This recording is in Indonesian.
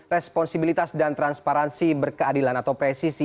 responsibilitas dan transparansi berkeadilan atau presisi